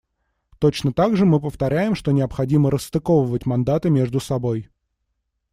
Точно так же мы повторяем, что необходимо расстыковать мандаты между собой.